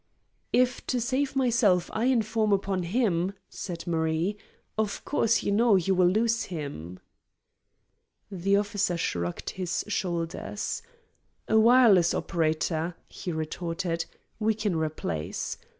"If to save myself I inform upon him," said Marie, "of course you know you will lose him." The officer shrugged his shoulders. "A wireless operator," he retorted, "we can replace.